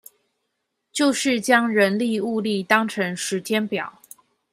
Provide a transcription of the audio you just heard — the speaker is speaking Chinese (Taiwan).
就是將人力物力當成時間表